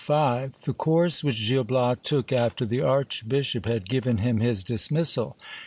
Ch. V. — The course which Gil Bias took after the archbishop had given him his dismissal.